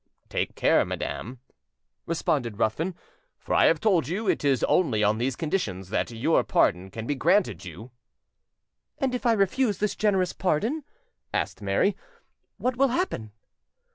"Take care, madam," responded Ruthven; "for I have told you it is only on these conditions that your pardon can be granted you." "And if I refuse this generous pardon," asked Mary, "what will happen?"